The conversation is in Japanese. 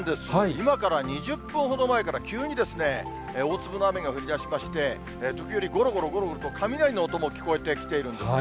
今から２０分ほど前から、急にですね、大粒の雨が降りだしまして、時折、ごろごろごろごろと雷の音も聞こえてきているんですね。